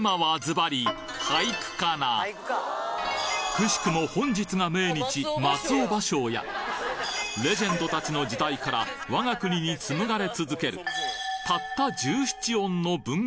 奇しくも本日が命日レジェンドたちの時代から我が国に紡がれ続けるたった